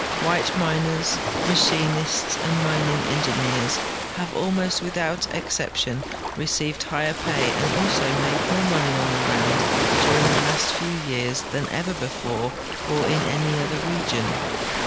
White miners, machinists, and mining engi neers have almost without exception received higher ])ay and also made more money on the Rand during the last few years than ever before or in any other region.